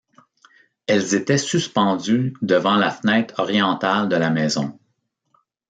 Elles étaient suspendues devant la fenêtre orientale de la maison.